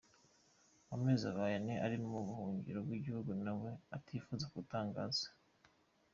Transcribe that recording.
Amezi abaye ane ari mu buhungiro mu gihugu nawe atifuza gutangaza.